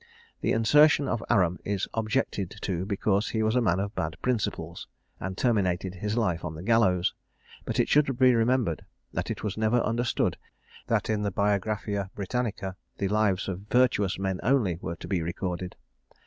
The insertion of Aram is objected to because he was a man of bad principles, and terminated his life on the gallows; but it should be remembered that it was never understood that in the Biographia Britannica the lives of virtuous men only were to be recorded.